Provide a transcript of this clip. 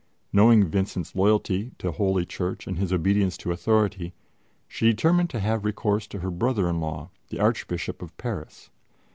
Knowing Vincent's loyalty to Holy Church and his obedience to authority, she determined to have recourse to her brother in law, the Archbishop of Paris.